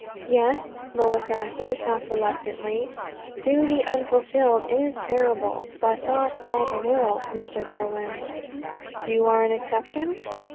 "Yes," Lois answered half reluctantly, "duty unfulfilled is terrible. But, not 'all the world,' Mr. Dillwyn." "You are an exception."